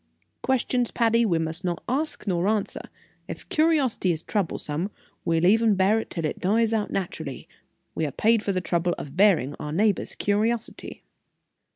Questions, Patty, we must not ask nor answer; if curiosity is troublesome, we'll even bear it till it dies out naturally; we are paid for the trouble of bearing our neighbor's curiosity."